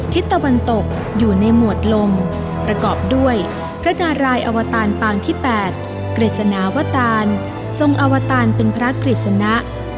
ทิศตะวันตกอยู่ในหมวดลมประกอบด้วยพระนารายอวตารปางที่๘กฤษณาวตารทรงอวตารเป็นพระกฤษณะ